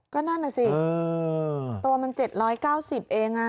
ก็นั่นแหละสิตัวมัน๗๙๐บาทเอง